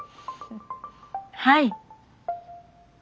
はい！